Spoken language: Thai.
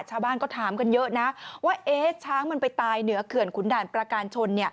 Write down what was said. ชาวบ้านก็ถามกันเยอะนะว่าช้างมันไปตายเหนือเขื่อนขุนด่านประการชน